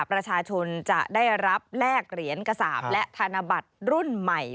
ประชาชนจะได้รับแลกเหรียญกระสาปและธนบัตรรุ่นใหม่